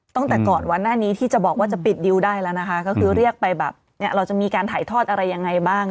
ตั้งแต่ก่อนวันหน้านี้ที่จะบอกว่าจะปิดดิวได้แล้วนะคะก็คือเรียกไปแบบเนี่ยเราจะมีการถ่ายทอดอะไรยังไงบ้าง